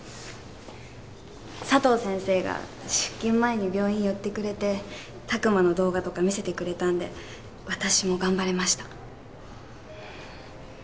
佐藤先生が出勤前に病院寄ってくれて拓磨の動画とか見せてくれたんで私も頑張れました。